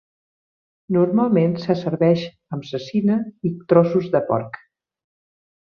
Normalment se serveix amb cecina i trossos de porc.